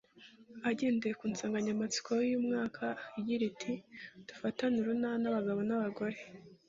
Agendeye ku nsanganyamatsiko y’uyu mwaka igira iti “Dufatane urunana abagabo n’abagore